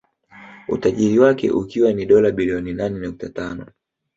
Utajiri wake ukiwa ni dola bilioni nane nukta tano